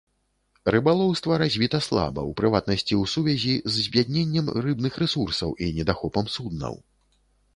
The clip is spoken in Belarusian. Рыбалоўства развіта слаба, у прыватнасці ў сувязі з збядненнем рыбных рэсурсаў і недахопам суднаў.